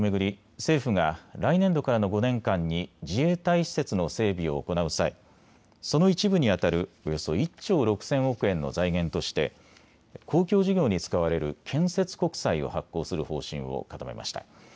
政府が来年度からの５年間に自衛隊施設の整備を行う際、その一部にあたるおよそ１兆６０００億円の財源として公共事業に使われる建設国債を発行する方針を固めました。